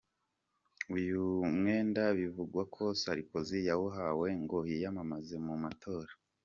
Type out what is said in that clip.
Uyu mwenda bivugwa ko Sarkozy yawuhawe ngo yiyamamaze mu matora.